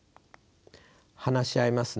話し合いますね。